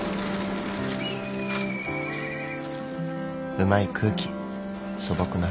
うまい空気素朴な風景。